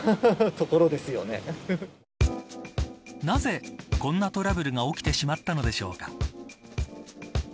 なぜ、こんなトラブルが起きてしまったのでしょうか。